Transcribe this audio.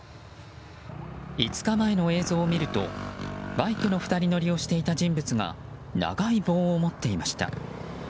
５日前の映像を見ると、バイクの２人乗りをしていた人物が長い棒を持っていました。